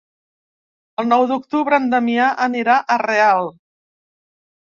El nou d'octubre en Damià anirà a Real.